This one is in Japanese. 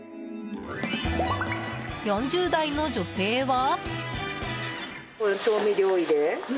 ４０代の女性は？